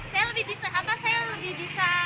saya lebih bisa